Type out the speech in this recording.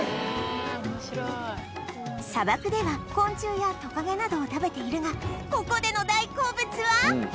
砂漠では昆虫やトカゲなどを食べているがここでの大好物は